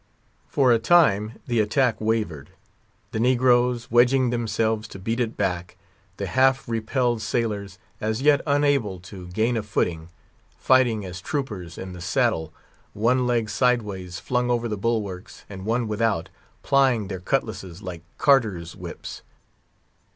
For a time, the attack wavered; the negroes wedging themselves to beat it back; the half repelled sailors, as yet unable to gain a footing, fighting as troopers in the saddle, one leg sideways flung over the bulwarks, and one without, plying their cutlasses like carters' whips.